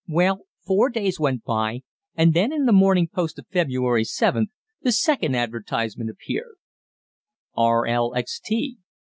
"Well, four days went by, and then in the Morning Post of February 7th the second advertisement appeared: "Rlxt.